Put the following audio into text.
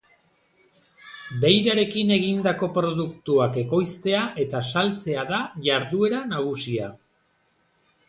Beirarekin egindako produktuak ekoiztea eta saltzea da jarduera nagusia.